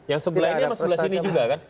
yang sebelah ini sama sebelah sini juga kan